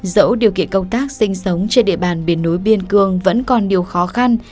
dẫu điều kiện công tác sinh sống trên địa bàn biển núi biên cương vẫn còn nhiều khó khăn